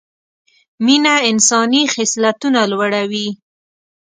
مینه انساني خصلتونه لوړه وي